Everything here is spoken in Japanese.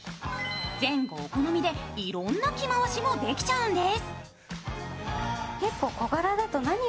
前後お好みで、いろんな着回しもできちゃうんです。